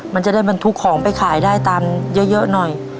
มันจะได้บรรทุกของไปขายได้ตามเยอะหน่อย